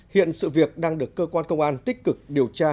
hiện sự việc đang được cơ quan công an tích cực điều tra làm rõ